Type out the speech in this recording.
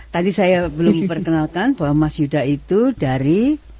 tadi saya belum perkenalkan bahwa mas yuda itu dari